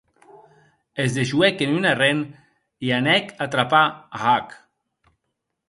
Esdejoèc en un arren, e anèc a trapar a Huck.